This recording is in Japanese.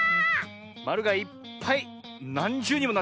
まるがいっぱいなんじゅうにもなってるねえ。